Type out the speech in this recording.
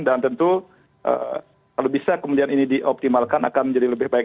dan tentu kalau bisa kemudian ini dioptimalkan akan menjadi lebih baik